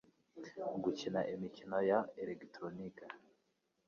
gukina imikino ya elegitoroniki